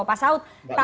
pak saud tapi